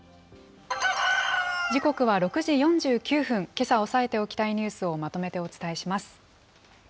時刻は６時４９分、けさ押さえておきたいニュースをまとめてお伝えします。